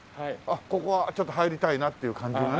ここはちょっと入りたいなっていう感じがね。